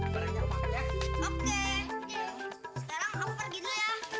barangnya lo makan ya